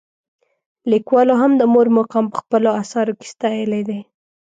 لیکوالو هم د مور مقام په خپلو اثارو کې ستایلی دی.